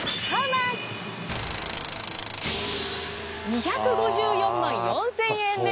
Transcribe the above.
２５４万４，０００円です。